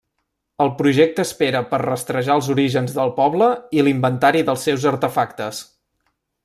El projecte espera per rastrejar els orígens del poble i l'inventari dels seus artefactes.